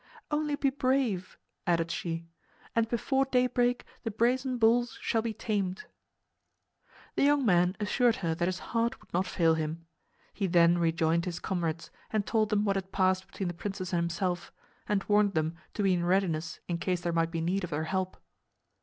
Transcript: "Only be brave," added she, "and before daybreak the brazen bulls shall be tamed." The young man assured her that his heart would not fail him. He then rejoined his comrades, and told them what had passed between the princess and himself, and warned them to be in readiness in case there might be need of their help.